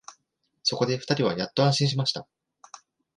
そこで二人はやっと安心しました